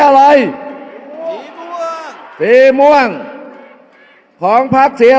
อย่าให้ลุงตู่สู้คนเดียว